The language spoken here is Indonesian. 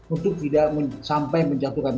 untuk tidak sampai menjatuhkan